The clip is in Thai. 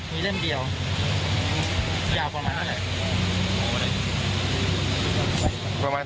มีเล่มเดียวยาวประมาณเท่าไหร่